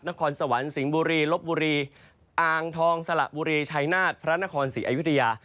นครสวรรค์สิงห์บุรีลบบุรีอ่างทองสละบุรีชัยนาฏพระนครศรีอยุธยา